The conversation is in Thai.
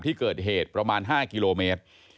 ที่เกิดเหตุประมาณ๕กิโลเมตร